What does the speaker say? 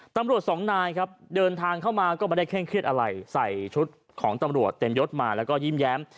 ตำรวจสองนายครับเดินทางเข้ามาก็ไม่ได้เคร่งเครียดอะไรใส่ชุดของตำรวจเต็มยศมาแล้วก็ยิ้มแย้ม